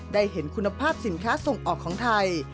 ได้เห็นคุณภาพสินค้าส่งออกของไทย